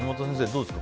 どうですか。